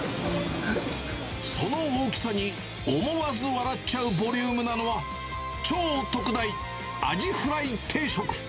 その大きさに、思わず笑っちゃうボリュームなのは、超特大アジフライ定食。